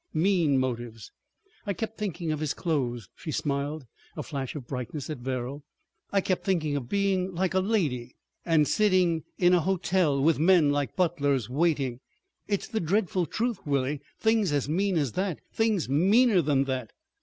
Mean motives. I kept thinking of his clothes." She smiled—a flash of brightness at Verrall. "I kept thinking of being like a lady and sitting in an hotel—with men like butlers waiting. It's the dreadful truth, Willie. Things as mean as that! Things meaner than that!"